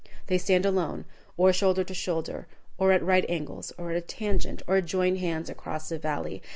They stand alone, or shoulder to shoulder, or at right angles, or at a tangent, or join hands across a valley.